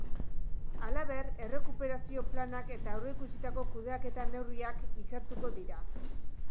Halaber, errekuperazio planak eta aurreikusitako kudeaketa neurriak ikertuko dira.